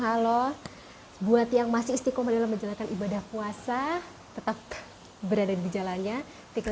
halo buat yang masih istiqomah dalam menjalankan ibadah puasa tetap berada di jalannya tinggal